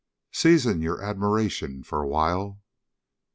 Season your admiration for awhile.